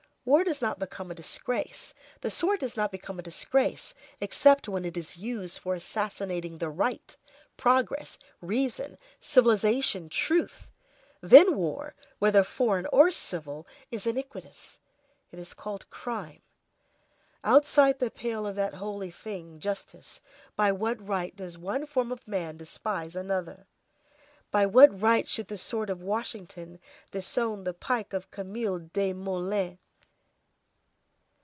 War does not become a disgrace, the sword does not become a disgrace, except when it is used for assassinating the right, progress, reason, civilization, truth. Then war, whether foreign or civil, is iniquitous; it is called crime. Outside the pale of that holy thing, justice, by what right does one form of man despise another? By what right should the sword of Washington disown the pike of Camille Desmoulins?